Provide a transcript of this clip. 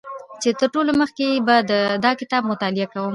چې تر ټولو مخکې به دا کتاب مطالعه کوم